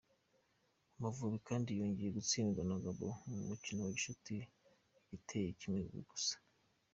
Amavubi kandi yongeye gutsindwa na Gabon mu mukino wa gicuti igitego kimwe ku busa.